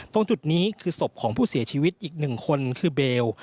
ตรงจุดนี้คือศพของผู้เสียชีวิตอีกหนึ่งคนคือเบล